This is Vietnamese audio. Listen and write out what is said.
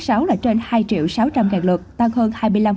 ước đạt hơn hai triệu sáu trăm linh lượt tăng hơn hai mươi năm